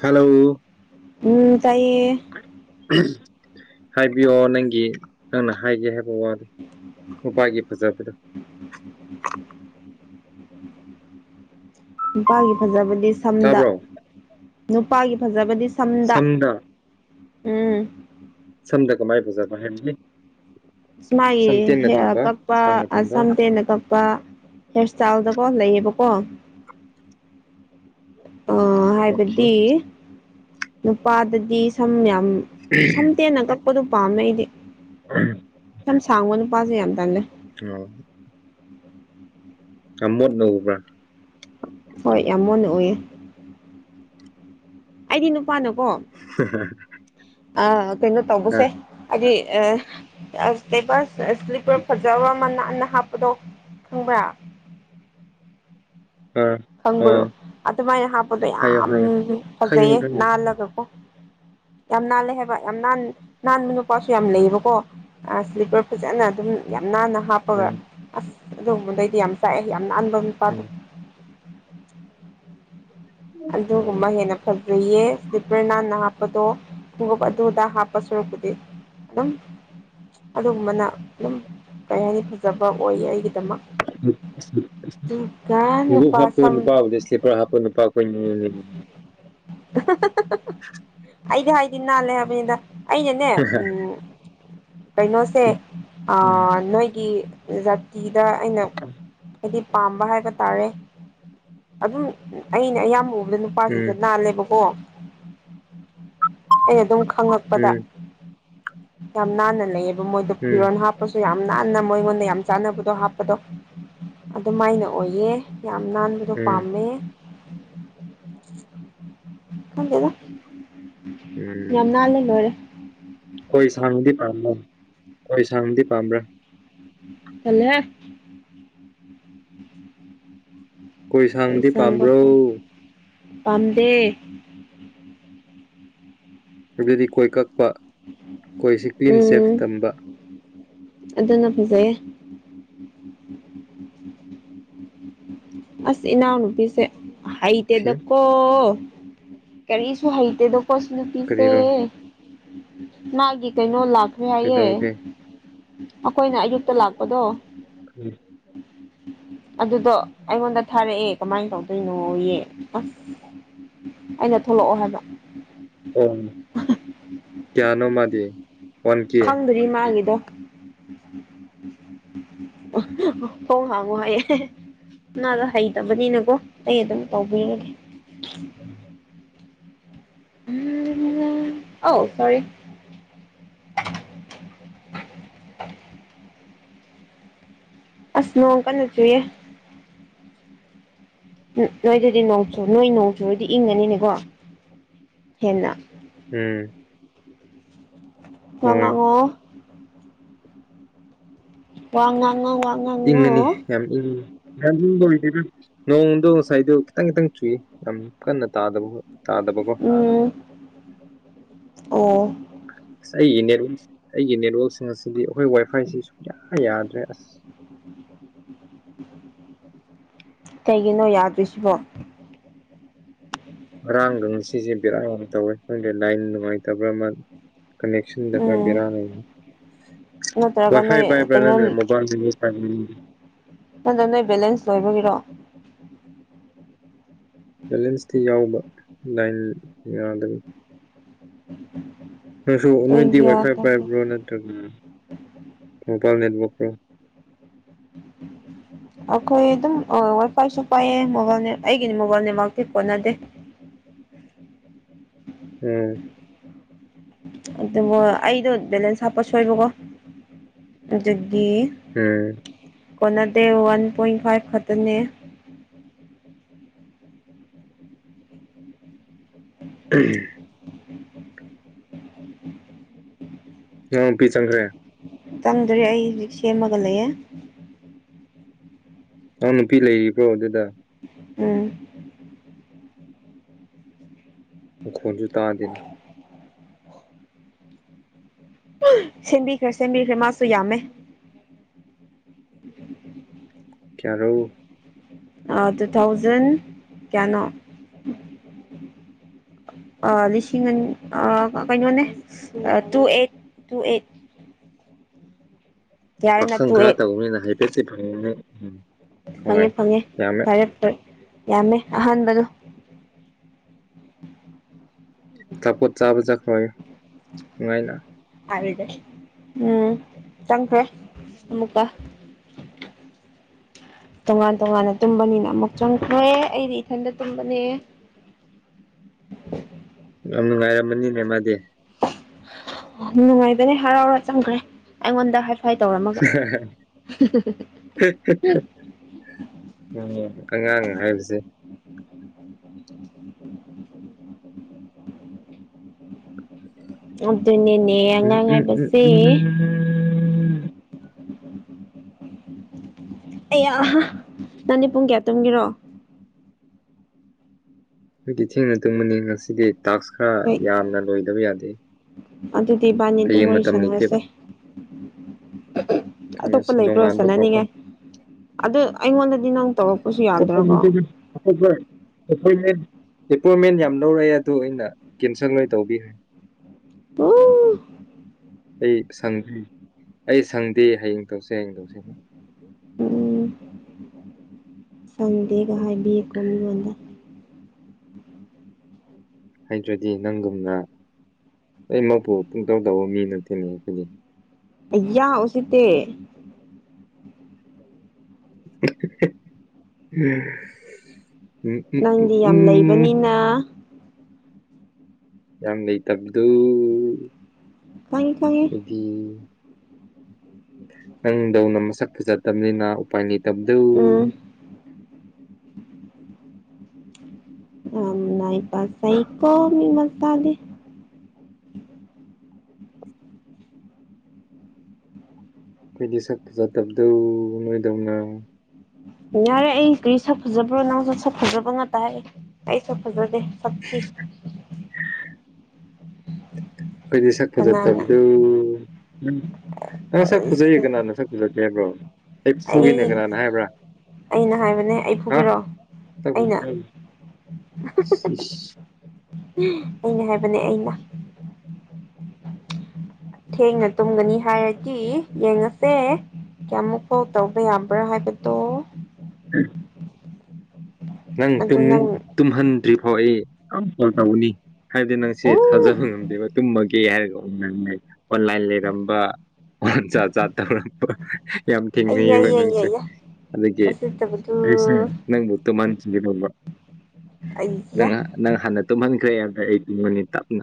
Hello ꯎꯝ ꯆꯥꯏꯌꯦ ꯍꯥꯏꯕꯤꯌꯣ ꯅꯪꯒꯤ ꯅꯪꯅ ꯍꯥꯏꯒꯦ ꯍꯥꯏꯕ ꯋꯥꯗꯣ ꯅꯨꯄꯒꯤ ꯐꯖꯕꯗꯣ ꯅꯨꯄꯥꯒꯤ ꯐꯖꯕꯗꯤ ꯁꯝꯗ ꯇꯥꯕ꯭ꯔꯣ ꯅꯨꯄꯥꯒꯤ ꯐꯖꯕꯗꯤ ꯁꯝꯗ ꯎꯝ ꯁꯝꯗ ꯀꯃꯥꯏꯐꯖꯥꯕ ꯍꯥꯏꯕꯗꯤ ꯃꯥꯒꯤ ꯁꯝ ꯇꯦꯟꯅ ꯍꯤꯌꯔ ꯊꯝꯕ ꯀꯛꯄ ꯁꯥꯡꯅ ꯊꯝꯕ ꯑꯁꯝꯇꯦꯟꯅ ꯀꯛꯄ ꯗꯍꯦꯌꯔ ꯏꯁꯇꯥꯏꯜꯗꯀꯣ ꯂꯩꯌꯦꯕꯀꯣ ꯑ ꯍꯥꯏꯕꯗꯤ ꯑꯣꯀꯦ ꯅꯨꯄꯥꯗꯗꯤ ꯁꯝ ꯌꯥꯝ ꯁꯝꯇꯦꯟꯅ ꯀꯛꯄꯗꯨ ꯄꯥꯝꯃꯦ ꯑꯩꯗꯤ ꯎꯝ ꯌꯥꯝ ꯁꯥꯡꯕ ꯅꯨꯄꯥꯁꯦ ꯌꯥꯝ ꯇꯜꯂꯦ ꯑꯣ ꯌꯥꯝ ꯃꯣꯠꯅ ꯎꯕ꯭ꯔ ꯍꯣꯏ ꯌꯥꯝ ꯃꯨꯠꯅ ꯎꯋꯦ ꯑꯩꯗꯤ ꯅꯨꯄꯥꯅꯀꯣ ꯍꯦꯍꯦ ꯑ ꯀꯩꯅꯣ ꯇꯧꯕꯁꯦ ꯍꯥꯏꯗꯤ ꯑ ꯑꯁ ꯁ꯭ꯂꯤꯞꯄꯔ ꯐꯖꯕꯟꯅ ꯍꯥꯞꯄꯗꯣ ꯈꯪꯕ꯭ꯔꯥ ꯑꯥ ꯈꯪꯕ꯭ꯔꯣ ꯑꯗꯨꯃꯥꯏꯅ ꯍꯥꯞꯄꯗꯣ ꯍꯥꯏꯌꯣ ꯌꯥꯝ ꯍꯥꯏꯌꯣ ꯈꯪꯉꯤ ꯐꯖꯩꯌꯦ ꯈꯪꯉꯤ ꯅꯥꯜꯂꯒꯀꯣ ꯌꯥꯝ ꯅꯥꯜꯂꯦ ꯍꯥꯏꯕ ꯌꯥꯝꯅꯟ ꯅꯥꯟꯕ ꯅꯨꯄꯥꯁꯨ ꯌꯥꯝ ꯎꯝ ꯂꯩꯌꯦꯕꯀꯣ ꯁ꯭ꯂꯤꯞꯄꯔ ꯐꯖꯅ ꯑꯗꯨꯝ ꯌꯥꯝ ꯅꯥꯟꯅ ꯍꯥꯞꯄꯒ ꯎꯝ ꯑꯁ ꯑꯗꯨꯒꯝꯕꯗꯩꯗꯤ ꯌꯥꯝ ꯆꯥꯛꯑꯦ ꯌꯥꯝ ꯅꯥꯟꯥꯟꯕꯄꯥꯥꯗ ꯎꯝ ꯑꯗꯨꯒꯨꯝꯕ ꯑꯣ ꯍꯦꯟꯅ ꯐꯖꯩꯌꯦ ꯁ꯭ꯂꯤꯄꯔ ꯅꯟꯅ ꯍꯥꯞꯄꯗꯣ ꯈꯣꯡꯒꯨꯞ ꯑꯗꯨꯑꯗ ꯍꯥꯞꯄ ꯁꯨꯔꯨꯛꯄꯨꯗꯤ ꯑꯗꯨꯝ ꯑꯗꯨꯒꯨꯝꯕꯅ ꯑꯗꯨꯝ ꯀꯩ ꯍꯥꯏꯅꯤ ꯐꯖꯕ ꯑꯣꯏꯌꯦ ꯑꯩꯒꯤꯗꯃꯛ ꯑꯗꯨꯒ ꯨ [inaudible] ꯅꯨꯄꯥ ꯍꯥꯞꯄ ꯁꯝ ꯅꯨꯄꯥꯕꯨꯗꯤ ꯏꯁ꯭ꯂꯤꯞꯄꯔ ꯍꯥꯞꯄ ꯅꯨꯄꯥ ꯀꯣꯏꯅꯤꯡꯅꯤꯅꯦ [unintelligible] ꯑꯩꯗꯤ ꯍꯥꯏꯕꯗꯤ ꯅꯜꯂꯦ ꯍꯥꯏꯕꯅꯦꯗ ꯑꯩꯅꯅꯦ ꯎ ꯀꯩꯅꯣꯁꯦ ꯎꯝ ꯅꯣꯏꯒꯤ ꯖꯥꯇꯤꯗ ꯑꯩꯅ ꯍꯥꯏꯗꯤ ꯄꯥꯝꯕ ꯍꯥꯏꯕ ꯇꯥꯔꯦ ꯑꯗꯨꯝ ꯑꯩꯅ ꯑꯌꯥꯝꯕ ꯎꯕꯗꯅꯨ ꯃꯄꯥꯁꯤꯡꯁꯦ ꯅꯥꯜꯂꯦꯕꯀꯣ ꯑꯩꯅ ꯑꯗꯨꯝ ꯈꯪꯂꯛꯄꯗ ꯎꯝ ꯌꯥꯝ ꯅꯥꯟꯅ ꯂꯩꯌꯦꯕ ꯃꯣꯏꯗꯣ ꯎꯝ ꯐꯤꯔꯣꯟ ꯍꯥꯞ ꯍꯥꯞꯄꯁꯨ ꯌꯥꯝ ꯅꯥꯟꯅ ꯃꯣꯏꯉꯣꯟꯗ ꯌꯥꯝ ꯆꯥꯟꯅꯕꯗꯣ ꯍꯥꯞꯄꯗꯣ ꯑꯗꯨꯃꯥꯏꯅ ꯑꯣꯏꯌꯦ ꯌꯥꯝ ꯅꯟ ꯑꯗꯨꯣ ꯎꯝ ꯄꯥꯝꯃꯦ ꯈꯡꯗꯦꯗ ꯌꯥꯝꯅꯜꯂꯦ ꯂꯣꯏꯔꯦ ꯑꯣꯏ ꯁꯥꯡꯕꯗꯤ ꯄꯥꯝꯕ꯭ꯔꯥ ꯑꯣꯏ ꯁꯥꯡꯕꯗꯤ ꯄꯥꯝꯕ꯭ꯔꯥ ꯇꯜꯂꯦ ꯍꯦ ꯀꯣꯏ ꯁꯥꯡꯕꯗꯤ ꯄꯥꯝꯕ꯭ꯔꯣ ꯄꯝꯗꯦ ꯑꯗꯨꯗꯤ ꯀꯣꯏ ꯀꯛꯄ ꯀꯣꯏꯁꯤ ꯀ꯭ꯂꯤꯟ ꯎꯝ ꯁꯦꯐ ꯇꯝꯕ ꯑꯗꯨꯅ ꯐꯖꯩꯌꯦ ꯑꯁ ꯏꯅꯥꯎꯅꯨꯄꯤꯁꯦ ꯑꯣꯀꯦ ꯍꯩꯇꯦꯗ ꯀꯣ ꯀꯔꯤꯁꯨ ꯍꯩꯇꯦꯗꯀꯣ ꯁꯤ ꯅꯨꯄꯤꯁꯦ ꯀꯔꯤꯔꯣ ꯃꯥꯒꯤ ꯀꯩꯅꯣ ꯂꯥꯛ ꯌꯥꯏꯌꯦ ꯀꯩꯗꯧꯔꯒꯦ ꯑꯩꯈꯣꯏꯅ ꯑꯌꯨꯛꯇ ꯂꯥꯛꯄꯗꯣ ꯎꯝ ꯑꯗꯨꯗꯣ ꯑꯩꯉꯣꯟꯗ ꯊꯥꯔꯛꯑꯦ ꯀꯃꯥꯏꯅ ꯇꯧꯗꯣꯏꯅꯣꯌꯦ ꯑꯁ ꯑꯩꯅ ꯊꯣꯛꯂꯛꯑꯣ ꯍꯥꯏꯕ ꯑꯣ ꯀꯌꯥꯅꯣ ꯃꯥꯗꯤ ꯋꯥꯟ ꯀꯦ ꯈꯪꯗ꯭ꯔꯤ ꯃꯥꯒꯤꯗꯣ ꯊꯣꯡꯍꯡꯉꯣ ꯍꯥꯏ ꯃꯥꯗꯣ ꯍꯩꯇꯕꯅꯤꯅꯀꯣ ꯑꯩ ꯑꯗꯨꯝ ꯇꯧꯕꯤꯔꯒꯦ [inaudible] ꯎꯝ ꯑꯧ ꯁꯣꯔꯤ ꯑꯁ ꯅꯣꯡ ꯀꯟꯅꯆꯨꯏ ꯅꯣꯏꯗꯗꯤ ꯅꯣꯡꯆꯨ ꯅꯣꯏ ꯅꯣꯡꯆꯗꯤ ꯏꯪꯉꯅꯤꯅꯦꯀꯣ ꯍꯦꯟꯅ ꯎꯝ ꯍꯣꯏ ꯋꯥꯉꯡꯉꯣ ꯋꯥ ꯉꯥꯡꯑꯣ ꯋꯥꯡ ꯉꯡꯑꯣ ꯎꯝ [unintelligible] ꯅꯣꯡꯗꯣ ꯉꯁꯥꯏꯗꯨ ꯈꯤꯇꯪ-ꯈꯤꯇꯪ ꯆꯨꯏ ꯌꯥꯝ ꯀꯟꯅ ꯇꯥꯗꯕ ꯇꯥꯗꯕꯀꯣ ꯎꯝ ꯑꯣ ꯑꯁ ꯑꯩꯒꯤ ꯅꯦꯠꯋ ꯑꯩꯒꯤ ꯅꯦꯠꯋꯥꯛꯁꯤꯡ ꯑꯁꯤꯗꯤ ꯑꯩꯈꯣꯏ ꯋꯥꯏ ꯐꯥꯏꯁꯤ ꯁꯨꯡꯌꯥ ꯌꯥꯗ꯭ꯔꯦ ꯑꯁ ꯀꯩꯒꯤꯅꯣ ꯌꯥꯗꯣꯏꯁꯤꯕꯣ ꯉꯔꯥꯡꯒ ꯉꯁꯤꯁꯦ ꯕꯦꯔꯥ ꯌꯥꯝꯅ ꯇꯧꯋꯦ ꯈꯪꯗꯦ ꯂꯥꯏꯟ ꯅꯨꯡꯉꯥꯏꯇꯕ꯭ꯔꯥ ꯀꯅꯦꯛꯁꯟꯗ ꯈꯔ ꯎꯝ ꯕꯦꯔꯥ ꯂꯩꯅꯤ ꯅꯠꯇ꯭ꯔꯒ ꯋꯥꯏ ꯐꯥꯏ ꯅꯣꯏ ꯄꯥꯏꯕ꯭ꯔꯥ ꯀꯩꯅꯣ ꯅ꯭ꯔꯅ ꯃꯣꯕꯥꯏꯜ [inaudible] ꯑꯗ ꯅꯣꯏ ꯕꯦꯂꯦꯟꯁ ꯂꯣꯏꯕꯒꯤꯔꯣ ꯕꯦꯂꯦꯟꯁꯇꯤ ꯌꯥꯎꯕ ꯂꯥꯏꯟ ꯌꯥꯗꯕ [inaudible] ꯅꯪꯁꯨ ꯅꯣꯏꯗꯤ ꯇꯦꯟꯒꯤ ꯋꯥꯏ ꯐꯥꯏ ꯉꯥꯛꯇꯅꯤ ꯄꯥꯏꯕ꯭ꯔꯣ ꯅꯠꯇ꯭ꯔꯒ ꯃꯣꯕꯥꯏꯜ ꯅꯦꯠꯋꯥꯛ ꯔꯣ [unintelligible] ꯑꯈꯣꯏ ꯑꯗꯨꯝ ꯑꯥ ꯋꯥꯏ ꯐꯥꯏꯁꯨ ꯄꯥꯏꯌꯦ ꯃꯣꯕꯥꯏꯜ ꯅꯦꯠ ꯑꯩꯒꯤꯗꯤ ꯃꯣꯕꯥꯏꯜ ꯅꯦꯠꯋꯥꯔꯛꯇꯤ ꯀꯣꯟꯅꯗꯦ ꯎꯝ ꯑꯗꯨꯃꯣ ꯑꯩꯗꯣ ꯕꯦꯂꯦꯟꯁ ꯍꯥꯞꯄ ꯁꯣꯏꯕꯀꯣ ꯑꯗꯨꯒꯤ ꯍꯨꯝ ꯀꯣꯅꯗꯦ ꯋꯥꯟ ꯄꯣꯏꯟ ꯐꯥꯏꯚ ꯈꯇꯅꯦ ꯎꯝ ꯅꯪ ꯅꯨꯄꯤ ꯆꯪꯈ꯭ꯔꯦ꯫ ꯆꯪꯗ꯭ꯔꯤ ꯑꯩ ꯍꯨꯖꯤꯛ ꯁꯦꯝꯃꯒ ꯂꯩꯌꯦ꯫ ꯅꯪ ꯅꯨꯄꯤ ꯂꯩꯔꯤꯕ꯭ꯔꯣ ꯑꯗꯨꯗ? ꯎꯝ ꯃꯈꯣꯟꯁꯨ ꯇꯥꯗꯦꯅ꯫ ꯁꯦꯝꯕꯤꯈ꯭ꯔꯦ ꯁꯦꯝꯕꯤꯈ꯭ꯔꯦ ꯃꯥꯁꯨ ꯌꯥꯝꯃꯦ꯫ [unintelligible] ꯀꯌꯥꯔꯧ꯫ ꯑꯥ ꯇꯨ ꯊꯥꯎꯖꯟ ꯀꯌꯥꯅꯣ ꯑꯥ ꯂꯤꯁꯤꯡ ꯑꯟ ꯑ ꯀꯩꯅꯣꯅꯦ꯫ ꯑꯥ ꯇꯨ ꯑꯩꯠ ꯇꯨ ꯑꯩꯠ ꯌꯥꯔꯦꯅ ꯄꯥꯈꯪ ꯇꯨ ꯈꯔ ꯑꯩꯠ ꯇꯧꯕꯅꯤꯅ ꯍꯥꯏꯐꯦꯠꯇꯤ ꯐꯪꯒꯅꯤ ꯎꯝ ꯍꯣꯏ ꯐꯪꯉꯦ ꯐꯪꯉꯦ ꯌꯥꯝꯃꯦ ꯐꯔꯦ ꯐꯔꯦ ꯌꯥꯝꯃꯦ ꯑꯍꯥꯟꯕꯗꯣ꯫ ꯑꯆꯥꯄꯣꯠ ꯆꯥꯕ ꯆꯠꯈ꯭ꯔꯣ ꯍꯥꯏꯌꯨ ꯅꯨꯉꯥꯏꯅ꯫ ꯑꯥꯔꯤꯗ ꯎꯝ ꯆꯪꯈ꯭ꯔꯦ ꯑꯃꯨꯀ꯫ ꯇꯣꯉꯥꯟ ꯇꯣꯉꯥꯟꯅ ꯇꯨꯝꯕꯅꯤꯅ ꯑꯃꯨꯛ ꯆꯪꯈ꯭ꯔꯦ ꯑꯩꯗꯤ ꯏꯊꯟꯗ ꯇꯨꯝꯕꯅꯦ꯫ ꯌꯥꯝ ꯅꯨꯡꯉꯥꯏꯔꯃꯅꯤꯅꯦ ꯃꯥꯗꯤ꯫ ꯍꯥ ꯅꯨꯡꯉꯥꯏꯕꯅꯦ ꯍꯔꯥꯎꯔ ꯆꯪꯈ꯭ꯔꯦ ꯑꯩꯉꯣꯟꯗ ꯍꯥꯏ꯫ ꯐꯥꯏ ꯇꯧꯔꯝꯃꯒ꯫ ꯎꯝ ꯑꯉꯥꯡ ꯍꯥꯏꯕꯁꯦ꯫ [unintelligible] ꯑꯗꯨꯅꯤꯅꯦ ꯎꯝ ꯑꯉꯥꯡ ꯎꯝ ꯎꯝ ꯍꯥꯏꯕꯁꯦ꯫ ꯎꯝ ꯑꯩꯌꯥꯍꯥ ꯅꯪꯗꯤ ꯄꯨꯡ ꯀꯌꯥ ꯇꯨꯝꯒꯦꯔꯣ? ꯀꯤ ꯊꯦꯡꯅ ꯇꯨꯝꯃꯅꯤ ꯉꯁꯤꯗꯤ ꯇꯥꯛꯁ ꯈꯔ ꯍꯣꯏ ꯌꯥꯝꯅ ꯂꯣꯏꯗꯕ ꯌꯥꯗꯦ꯫ ꯑꯗꯨꯗꯤ ꯏꯕꯥꯅꯤ ꯑꯗꯨꯝ ꯍꯌꯦꯡ ꯋꯥꯔꯤ ꯃꯇꯝ ꯂꯩꯇꯦꯕ ꯁꯥꯅꯔꯁꯦ꯫ ꯑꯇꯣꯞꯄ ꯀꯥꯟꯅꯁꯤ ꯂꯩꯕ꯭ꯔꯣ ꯅꯣꯡꯉꯥꯟꯕ ꯐꯥꯎꯀꯣ ꯁꯥꯟꯅꯅꯤꯉꯥꯏ꯫ ꯑꯗꯨ ꯑꯩꯉꯣꯟꯗꯗꯤ ꯅꯪ ꯇꯧꯔꯛꯄꯁꯨ ꯌꯥꯗ꯭ꯔꯒ꯫ ꯍꯣ ꯒꯣꯏ꯫ ꯑꯦꯄꯣꯏꯟꯃꯦꯟ ꯑꯦꯄꯣꯏꯟꯃꯦꯟ ꯌꯥꯝ ꯂꯧꯔꯛꯑꯦ ꯑꯗꯨ ꯑꯩꯅ ꯀꯦꯟꯁꯦꯜ ꯂꯣꯏ ꯇꯧꯕꯤꯈ꯭ꯔꯦ꯫ ꯕꯨ ꯎ ꯑꯩ ꯁꯪꯍ ꯑꯩ ꯁꯪꯗꯦ ꯍꯌꯦꯡ ꯇꯧꯁꯦ ꯍꯌꯦꯡ ꯇꯧꯁꯦ ꯍ ꯎꯝ ꯁꯪꯗꯦꯒ ꯍꯥꯏꯕꯤꯌꯦꯀꯣ ꯃꯤꯉꯣꯟꯗ꯫ ꯍꯩꯗ꯭ꯔꯗꯤ ꯅꯪꯒꯨꯝꯅ ꯑꯩꯃꯛꯄꯨ ꯄꯨꯡ ꯇꯔꯨꯛ ꯇꯧꯕ ꯃꯤ ꯅꯠꯇꯦꯅꯦ ꯑꯈꯣꯏꯗꯤ꯫ ꯑꯌꯥ ꯎꯁꯤꯇꯦ꯫ ꯎ ꯎꯝ ꯎꯝ ꯅꯪꯗꯤ ꯌꯥꯝ ꯎꯝ ꯂꯩꯕꯅꯤꯅ ꯌꯥꯝ ꯂꯩꯇꯕꯗꯣ꯫ ꯈꯪꯉꯦ ꯈꯪꯉꯦ꯫ ꯑꯩꯗꯤ꯫ ꯅꯪꯗꯧꯅ ꯃꯁꯛ ꯐꯖꯇꯝꯅꯤꯅ ꯎꯄꯥꯏ ꯂꯩꯇꯕꯗꯧ꯫ ꯎꯝ [unintelligible] ꯃꯤ ꯃꯆꯥ ꯗꯤ ꯑꯩꯗꯤ ꯁꯛ ꯐꯖꯗꯕꯗ‌ꯣ ꯅ‌ꯣꯏꯗꯧꯅ ꯌꯥꯔꯦ ꯑꯩ ꯀꯔꯤ ꯁꯛ ꯐꯖꯕ꯭ꯔꯣ ꯅꯪꯁꯨ ꯁꯛ ꯐꯖꯕ ꯉꯥꯛꯇ ꯍꯥꯏ ꯑꯩ ꯁꯛ ꯐꯖꯗꯦ ꯁꯛ ꯊꯤ ꯑꯩꯈꯣꯏꯗꯤ ꯁꯛ ꯀꯅꯥꯅ ꯐꯖꯇꯕꯗꯨ ꯎꯝ ꯅꯪ ꯁꯛ ꯐꯖꯩꯌꯦ ꯀꯅꯥꯅ ꯁꯛ ꯐꯖꯗ‌ꯦ ꯍꯥꯏꯕ꯭ꯔꯣ ꯑꯩ ꯐꯨꯒꯤꯅꯦ ꯀꯅꯥꯅ ꯍꯥꯏꯕ꯭ꯔꯥ ꯑꯩꯅ ꯍꯥꯏꯕꯅꯦ ꯑꯩ ꯍꯥ ꯐꯨꯕꯤꯔ‌ꯣ ꯑꯩꯅ ꯑꯩꯅ ꯍꯥꯏꯕꯅꯦ ꯑꯩꯅ ꯊꯦꯡꯅ ꯇꯨꯝꯒꯅꯤ ꯍꯥꯏꯔꯗꯤ ꯌꯦꯡꯉꯁꯦ ꯀꯌꯥꯃꯨꯛꯐꯥꯎ ꯇꯧꯕ ꯌꯥꯕ꯭ꯔꯥ ꯍꯥꯏꯕꯗꯣ [unintelligible] ꯅꯪ ꯑꯗꯨ ꯇꯨꯝ ꯅꯪ ꯇꯨꯝꯍꯟꯗ꯭ꯔꯤ ꯐꯥꯎ ꯑꯩ ꯑꯝ ꯀꯜ ꯇꯧꯅꯤ ꯍꯥꯏꯕꯗꯤ ꯅꯪꯁ‌ꯦ ꯎ ꯊꯥꯖꯕ ꯉꯝꯗꯦꯕ ꯇꯨꯝꯃꯒꯦ ꯍꯥꯏꯔꯒ ꯅꯪ ꯑꯣꯟꯂꯥꯏꯟ ꯂꯩꯔꯝꯕ ꯑꯣꯟ ꯆꯥ ꯆꯥ ꯇꯧꯔꯛꯄ ꯌꯥꯝ ꯊꯦꯡꯅꯩ ꯑꯩ ꯌ‌ꯦꯕ ꯅꯪꯁ‌ꯦ ꯑꯩ ꯑꯗꯨꯒꯤ ꯎꯁꯤꯠꯇꯕꯗꯨ ꯑꯩ ꯁ‌ꯦ ꯅꯪꯕꯨ [unintelligible] ꯅꯪ ꯑꯩꯌꯥ ꯍꯥꯟ ꯅꯪ ꯍꯥꯟꯅ ꯇꯨꯝꯍꯟꯈ꯭ꯔꯦ ꯍꯥꯏꯕꯗ ꯑꯩ ꯇꯨꯝꯒꯅꯤ ꯇꯞꯅ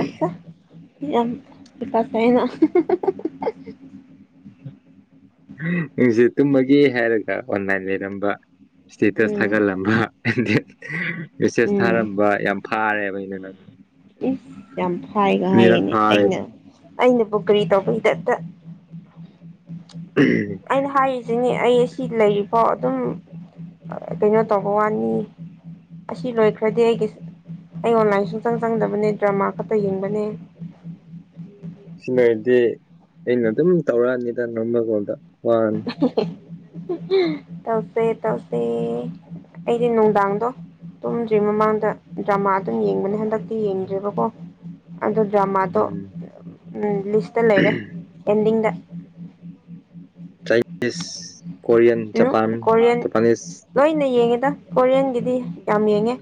ꯑꯆꯥ ꯌꯥꯝ ꯍꯩꯄꯥꯁꯥꯏ ꯅ ꯅꯪꯁꯦ ꯇꯨꯝꯃꯒꯦ ꯍꯥꯏꯔꯒ ꯑꯣꯟꯂꯥꯏꯟ ꯂꯩꯔꯝꯕ ꯏꯁꯇꯦꯇꯁ ꯎꯝ ꯊꯥꯒꯠꯂꯝꯕ ꯃꯦꯁꯦꯁ ꯎꯝ ꯊꯥꯔꯝꯕ ꯌꯥꯝ ꯐꯥꯔꯦꯕ ꯑꯩ ꯅ ꯅꯪ ꯏꯁ ꯌꯥꯝ ꯐꯥꯏꯒ ꯑꯅꯤꯔꯛ ꯍꯥꯏꯌꯦꯅꯦ ꯑꯩꯅ ꯐꯥꯔꯦꯕ ꯑꯩꯅ ꯄꯨ ꯀ꯭ꯔꯤ ꯇꯧ ꯒꯅꯤ ꯗꯠꯇ ꯎꯝ ꯑꯩꯅ ꯍꯥꯏꯔꯤꯖꯤꯅꯤ ꯑꯩ ꯁꯤ ꯂꯩꯔꯤꯕꯐꯣ ꯑꯗꯨꯝ ꯑ ꯀꯩꯅꯣ ꯇꯧꯒꯋꯥꯅꯤ ꯑꯁꯤ ꯂꯣꯏꯈ꯭ꯔꯗꯤ ꯑꯩꯒꯤ ꯑꯩ ꯑꯣꯟꯂꯥꯏꯟ ꯁꯨꯡꯆꯪ ꯆꯪꯗꯕꯅꯦ ꯗ꯭ꯔꯃꯥ ꯈꯛꯇ ꯌꯦꯡꯕꯅꯦ ꯁꯤ ꯅꯔꯗꯤ ꯑꯩꯅ ꯑꯗꯨꯝ ꯇꯧꯔꯛꯑꯅꯤꯗ ꯅꯃꯒꯜꯗ ꯋꯥꯅꯤ ꯇꯧꯁꯦ ꯇꯧꯁꯦ ꯑꯩꯗꯤ ꯅꯨꯡꯗꯥꯡꯗꯣ ꯇꯨꯝꯗ꯭ꯔꯤ ꯃꯃꯥꯡꯗ ꯗ꯭ꯔꯃꯥ ꯑꯗꯨꯝ ꯌꯦꯡꯕꯅꯦ ꯍꯟꯗꯛ ꯇꯤ ꯌꯦꯡꯗ꯭ꯔꯦꯕꯀꯣ ꯑꯣ ꯗ꯭ꯔꯃꯥꯗꯣ ꯎꯝ ꯎꯝ ꯂꯤꯁꯇ ꯂꯩꯔꯦ ꯑꯦꯟꯗꯤꯡꯗ ꯏꯁ ꯀꯣꯔꯤꯌꯟ ꯎꯝ ꯖꯄꯥꯟ ꯀꯣꯔꯤꯌꯟ ꯖꯄꯅꯤꯁ ꯂꯣꯏꯅ ꯌꯦꯡꯉꯦꯗ ꯀꯣꯔꯤꯌꯟꯒꯤꯗꯤ ꯌꯥꯝ ꯌꯦꯡꯉꯦ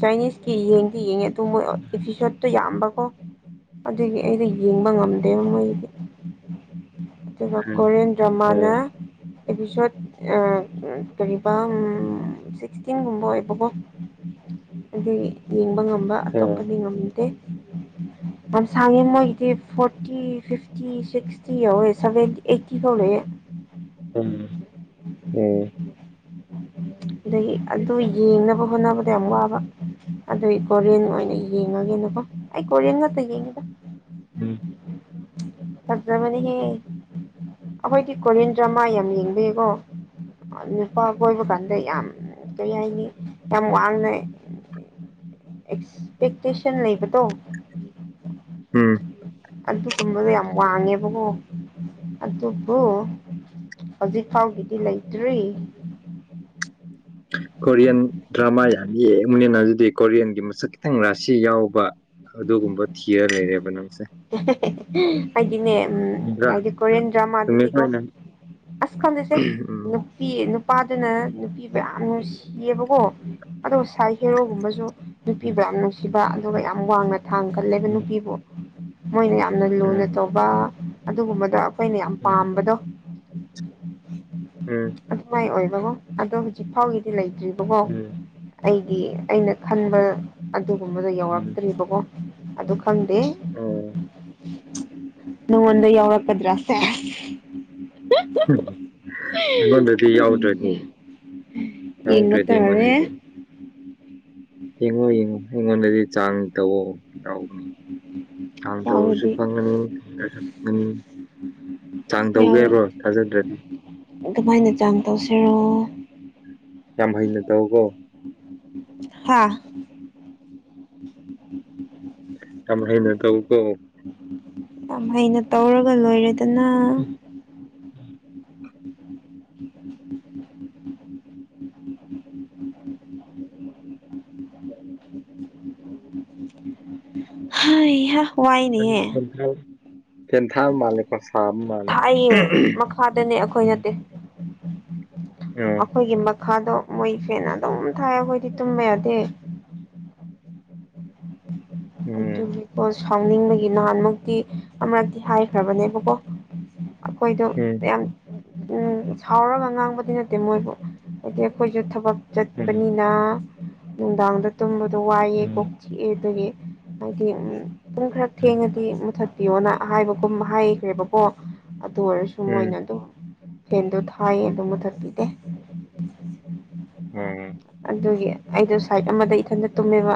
ꯆꯥꯏꯅꯤꯁꯀꯤ ꯌꯦꯡꯗꯤ ꯌꯦꯡꯉꯦꯗ [unintelligible] ꯑꯦꯐꯤꯁ‌‌ꯣꯠ ꯇꯨ ꯌꯥꯝꯕꯀꯣ ꯑꯗꯨꯒꯤ ꯑꯩꯗ ꯌꯦꯡꯕ ꯉꯝꯗꯦꯕ ꯃꯣꯏꯗꯤ ꯗꯨꯒ ꯎꯝ ꯀ‌ꯣꯔꯤꯌꯥꯟ ꯗꯔꯃꯥ ꯅ ꯑꯦꯄꯤꯁ‌ꯣꯇ ꯑ ꯀꯔꯤꯕꯥ ꯁꯤꯛꯁꯇꯤꯟ ꯒꯨꯝꯕ ꯑꯣꯏꯕꯀ‌ꯣ ꯑꯗꯨꯒꯤ ꯌꯦꯡꯕ ꯉꯝꯕ ꯎꯝ ꯑꯇꯣꯞꯄꯗꯤ ꯉꯝꯗꯦ ꯌꯥꯝ ꯁꯥꯡꯉꯦ ꯃꯣꯏꯒꯤꯗꯤ ꯐꯣꯔꯇꯤ ꯐꯤꯐꯇꯤ ꯁꯤꯛꯁꯇꯤ ꯌꯧꯋꯦ ꯁꯕ‌ꯦꯟ ꯑꯩꯠꯇꯤ ꯐꯥꯎ ꯂꯩꯌ‌ꯦ ꯎꯝ ꯑ‌ꯣ ꯑꯗꯒꯤ ꯑꯗꯨ ꯌꯦꯡꯅꯕ ꯍꯣꯠꯅꯕꯗ ꯌꯥꯝ ꯋꯥꯕ ꯑꯗꯨꯒꯤ ꯀꯣꯔꯤꯌꯟ ꯑꯣꯏꯅ ꯌꯦꯡꯉꯒꯦꯅꯀꯣ ꯑꯩ ꯀꯣꯔꯤꯌꯥꯟꯒꯠꯇ ꯌꯦꯏꯗ ꯎꯝ ꯍꯖꯕꯅꯤ ꯍ‌‌ꯦ ꯑꯩꯈꯣꯏꯗꯤ ꯀꯣꯂꯟ ꯗ꯭ꯔꯃꯥ ꯌꯥꯝ ꯌꯦꯡꯕꯤꯌꯦꯀꯣ ꯅꯨꯄꯥ ꯀꯣꯏꯕ ꯀꯥꯟꯗ ꯌꯥꯝ ꯀꯩ ꯍꯥꯏꯅꯤ ꯌꯥꯝ ꯋꯥꯡꯅ ꯑꯦꯛꯁꯄꯦꯛꯇꯦꯁꯟ ꯂꯩꯕ ꯇ ꯎꯝ ꯑꯗꯨꯒꯨꯝꯕꯗꯣ ꯌꯥꯝ ꯋꯥꯡꯉꯦꯕꯀꯣ ꯑꯗꯨꯕꯨ ꯍꯧꯖꯤꯛ ꯐꯥꯎꯒꯤꯗꯤ ꯂꯩꯇ꯭ꯔꯤ ꯎꯝ [inaudible] ꯀꯣꯔꯤꯌꯥꯟ ꯗ꯭ꯔꯃꯥ ꯌꯥꯝ ꯌꯦꯛꯕꯅꯤꯅ ꯑꯗꯨꯗꯤ ꯀꯣꯔꯤꯌꯟꯒꯤ ꯃꯁꯛ ꯈꯤꯇꯪ ꯔꯥꯁꯤ ꯌꯥꯎꯕ ꯑꯗꯨꯒꯨꯝꯕ ꯊꯤꯔ ꯂꯩꯔꯦꯕ ꯅꯪꯁꯦ [inaudible] ꯍꯥꯏꯗꯤꯅꯦ ꯎꯝ ꯅꯠꯇ꯭ꯔꯥ ꯍꯥꯏꯗꯤ ꯀꯣꯔꯤꯌꯟ ꯆꯨꯝꯃꯦ ꯗ꯭ꯔꯃꯥꯗꯗꯤꯀꯣ ꯈꯣꯏꯅ ꯑꯁ ꯈꯪꯗꯁꯦ ꯎꯝ ꯅꯨꯄꯤ ꯅꯨꯄꯥꯗꯨꯅ ꯅꯨꯄꯤꯕꯨ ꯌꯥꯝ ꯅꯨꯡꯁꯤꯌꯦꯕꯀꯣ ꯑꯗꯨꯒ ꯁꯥꯏ ꯍꯦꯔꯣꯒꯨꯝꯕꯁꯨ ꯅꯨꯄꯤꯕꯨ ꯌꯥꯝ ꯅꯨꯡꯁꯤꯕ ꯑꯗꯨꯒ ꯌꯥꯝ ꯋꯥꯡꯅ ꯊꯥꯡ ꯀꯜꯂꯦꯕ ꯎꯝ ꯅꯨꯄꯤꯕꯨ ꯃꯣꯏꯅ ꯌꯥꯝꯅ ꯂꯨꯅ ꯇꯧꯕ ꯑꯗꯨꯒꯨꯝꯕꯗꯣ ꯑꯩꯈꯣꯏꯅ ꯌꯥꯝ ꯄꯥꯝꯕꯗꯣ ꯎꯝ ꯎꯝ ꯎꯝ ꯎꯝ [inaudible] ꯎꯝ [inaudible] ꯑꯗꯨꯃꯥꯏꯅ ꯑꯣꯏꯕꯀꯣ ꯑꯗꯣ ꯍꯧꯖꯤꯛ ꯐꯥꯎꯒꯤꯗꯤ ꯂꯩꯇ꯭ꯔꯤꯕꯀꯣ ꯑꯩꯒꯤ ꯑꯩꯅ ꯈꯟꯕ ꯑꯗꯨꯒꯨꯝꯕꯗꯣ ꯌꯧꯔꯛꯇ꯭ꯔꯤꯕꯀꯣ ꯑꯗꯨ ꯈꯪꯗꯦ ꯑꯣ ꯅꯗ ꯌꯥꯎꯛꯗ꯭ꯔ ꯍꯗꯤ ꯌꯥꯎꯗꯗꯤ ꯌꯦꯡꯕ ꯌꯥꯎ꯭ꯔꯗꯤ ꯇꯥꯔꯦ ꯏꯣꯟꯗꯤ ꯌꯦꯡꯉꯣ ꯌꯦꯡꯉꯣ ꯑꯩꯉꯣꯟꯗꯗꯤ ꯆꯥꯡ ꯇꯧꯕ ꯌꯥꯎꯅꯤ ꯆꯥꯡ ꯇꯧꯔꯁꯨ ꯌꯥꯎꯔꯗꯤ ꯈꯪꯉꯥꯅꯤ ꯇꯦꯗꯔ꯭ꯁꯨ ꯈꯡꯉꯥꯅꯤ ꯆꯥꯡ ꯇꯧꯒꯦ ꯍꯥꯏꯕ꯭ꯔꯣ ꯊꯥꯖꯗ꯭ꯔꯗꯤ ꯑꯗꯨꯃꯥꯏꯅ ꯆꯥꯡ ꯇꯧꯁꯤꯔꯣ ꯌꯥꯝ ꯍꯩꯅ ꯇꯧꯀꯣ ꯍꯥꯥ ꯌꯥꯝ ꯍꯅ ꯇꯧ ꯀꯣ ꯌꯥꯝ ꯍꯩꯅ ꯇꯧꯔꯒ ꯂꯣꯏꯔꯦꯗꯅ ꯎꯝ [inaudible] [inaudible] ꯍꯦꯍꯥ ꯦꯟꯊ ꯄꯦꯟꯊꯜ ꯃꯥꯅꯤꯀ ꯁ [inaudible] ꯊꯥꯏꯌꯦ ꯃꯈꯥꯗꯅꯦ ꯑꯩꯈꯣꯏ ꯎꯝ ꯅꯠꯇꯦ ꯎꯝ ꯑꯩꯈꯣꯏꯒꯤ ꯃꯈꯥꯗꯣ ꯃꯣꯏ ꯐꯦꯅ ꯑꯗꯨꯝ ꯊꯥꯏ ꯑꯩꯈꯣꯏꯗꯤ ꯇꯨꯝꯃꯦ ꯌꯥꯗꯦ ꯎꯝ ꯑꯗꯨꯒꯤꯀꯣ ꯁꯥꯎꯅꯤꯡꯕꯒꯤ ꯅꯍꯥꯟꯃꯨꯛꯇꯤ ꯑꯃꯔꯛꯇꯤ ꯍꯥꯏꯈ꯭ꯔꯕꯅꯦꯕꯀꯣ ꯑꯩꯈꯣꯏꯗꯣ ꯌꯥꯝ ꯎꯝ ꯁꯥꯎꯔꯒ ꯉꯥꯡꯕꯗꯤ ꯅꯠꯇꯦ ꯃꯣꯏꯕꯨ ꯍꯥꯏꯗꯤ ꯑꯩꯈꯣꯏꯁꯨ ꯊꯕꯛ ꯎꯝ ꯆꯠꯄꯅꯤꯅ ꯅꯨꯡꯗꯥꯡꯗ ꯇꯨꯝꯕꯗꯣ ꯋꯥꯏꯑꯦ ꯀꯣꯛ ꯎꯝ ꯊꯤꯛꯑꯦ ꯑꯗꯨꯗꯒꯤ ꯍꯥꯏꯗꯤ ꯎꯝ ꯄꯨꯡ ꯈꯔ ꯊꯦꯡꯉꯗꯤ ꯃꯨꯊꯠ ꯄꯤꯌꯣꯅ ꯍꯥꯏꯕꯒꯨꯝ ꯍꯥꯏꯈ꯭ꯔꯦꯕꯀꯣ ꯑꯗꯨ ꯑꯣꯏꯔꯁꯨ ꯃꯣꯏꯅ ꯎꯝ ꯑꯗꯨꯝ ꯐꯦꯟꯗꯣ ꯊꯥꯏꯌꯦ ꯑꯗꯨ ꯃꯨꯊꯠꯄꯤꯗꯦ ꯎꯝ [inaudible] ꯑꯗꯨꯒꯤ ꯑꯩꯗꯣ ꯁꯥꯏꯠ ꯑꯃꯗ ꯏꯊꯟꯗ ꯇꯨꯝꯃꯦꯕ